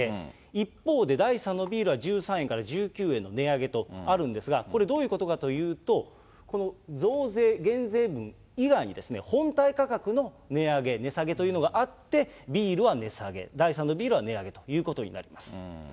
一方で第３のビールは１３円から１９円の値上げとあるんですが、これ、どういうことかというと、この増税、減税分以外にですね、本体価格の値上げ、値下げというのがあって、ビールは値下げ、第３のビールは値上げということになります。